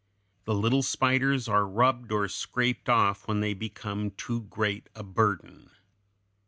The little spiders are rubbed or scraped off when they become too great a burden.